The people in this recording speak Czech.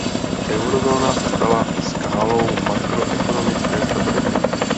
Eurozóna se stala skálou makroekonomické stability.